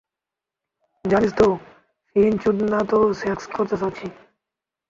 জানিস তো, ফিঞ্চ চোদনা, আমি সেক্স করতে যাচ্ছি।